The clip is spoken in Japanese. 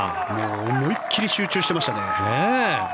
思い切り集中してましたね。